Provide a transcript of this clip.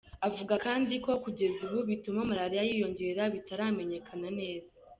Avuga kandi ko kugeza ubu ibituma malariya yiyongera bitaramenyekana neza.